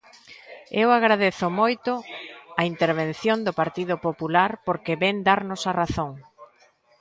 Eu agradezo moito a intervención do Partido Popular porque vén darnos a razón.